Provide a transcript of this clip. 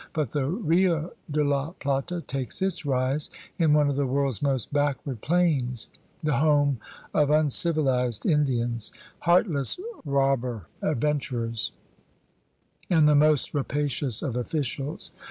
But the Rio de la Plata takes its rise in one of the world's most backward plains, the home of uncivilized Indians, heartless rubber adventurers, and the most rapa cious of officials.